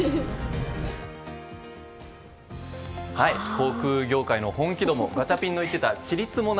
航空業界の本気度もガチャピンの言っていたちりつもな